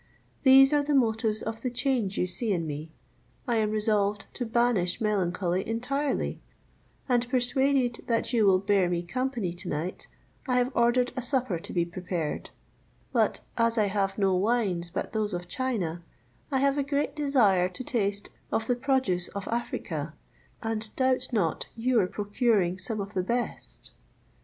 These are the motives of the change you see in me; I am resolved to banish melancholy entirely; and, persuaded that you will bear me company tonight, I have ordered a supper to be prepared; but as I have no wines but those of China, I have a great desire to taste of the produce of Africa, and doubt not your procuring some of the best."